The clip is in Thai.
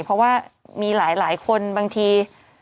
เพราะว่ามีหลายคนบางที